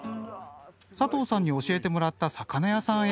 佐藤さんに教えてもらった魚屋さんへ。